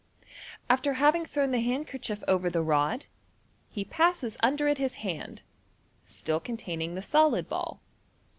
After having thrown the handkerchief over the rod, he passes under it his hand, still containing the solid ball.